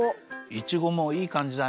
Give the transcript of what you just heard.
いちごもいいかんじだね